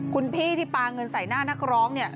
คุณพี่ที่ปลาเงินใส่หน้านักร้องเนี่ย